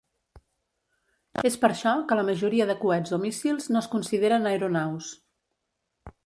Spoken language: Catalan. És per això que la majoria de coets o míssils no es consideren aeronaus.